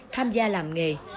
tham gia làm nghề